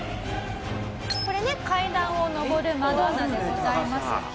これね階段を上るマドンナでございます。